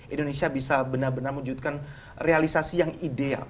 indonesia bisa benar benar mewujudkan realisasi yang ideal